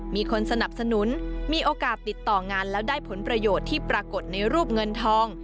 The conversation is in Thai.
มีคนสนับสนุนมีโอกาสติดต่องานแล้วได้ผลประโยชน์ที่ปรากฏในรูปเงินทอง